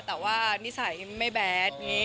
แต่ว่านิสัยไม่แบด